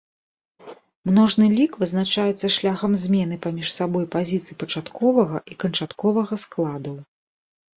Множны лік вызначаецца шляхам змены паміж сабой пазіцый пачатковага і канчатковага складаў.